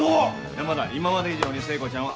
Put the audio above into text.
山田今まで以上に聖子ちゃんを崇めろ。